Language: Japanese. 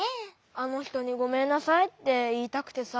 あのひとにごめんなさいっていいたくてさ。